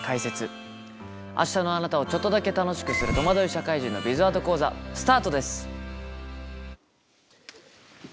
明日のあなたをちょっとだけ楽しくする「とまどい社会人のビズワード講座」スタートです。